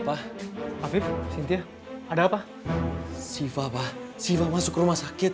pak afif cynthia ada apa siva pak siva masuk rumah sakit